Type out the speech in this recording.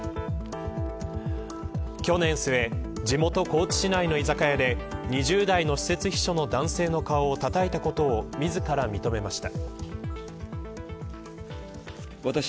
去年末、地元高知市内の居酒屋で２０代の私設秘書の男性の顔をたたいたことを自ら認めました。